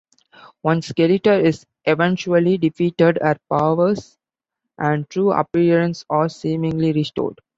Once Skeletor is eventually defeated, her powers and true appearance are seemingly restored.